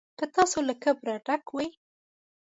که تاسو له کبره ډک وئ.